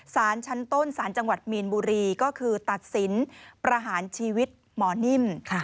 สารชั้นต้นสารจังหวัดมีนบุรีก็คือตัดสินประหารชีวิตหมอนิ่ม